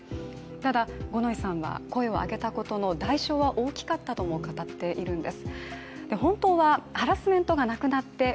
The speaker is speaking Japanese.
ただ、五ノ井さんは声を上げたことの代償は大きかったとも思っているそうです。